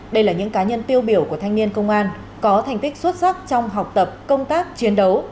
đây là những cá nhân tiêu biểu của thanh niên công an có thành tích xuất sắc trong học tập công tác chiến đấu